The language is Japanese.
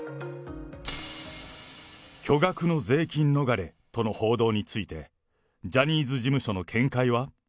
巨額の税金逃れとの報道について、ジャニーズ事務所の見解は？